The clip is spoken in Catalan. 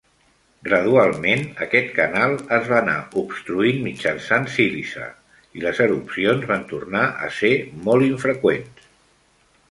Gradualment, aquest canal es va anar obstruint mitjançant sílice, i les erupcions van tornar a ser molt infreqüents.